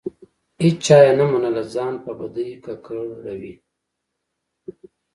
هیچا یې نه منله؛ ځان په بدۍ ککړوي.